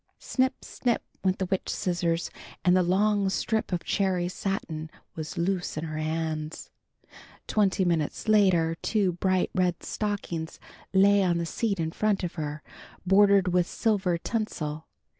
Snip! Snip! went the witch scissors, and the long strip of cherry satin was loose in her hands. Twenty minutes later two bright red stockings lay on the seat in front of her, bordered with silver tinsel.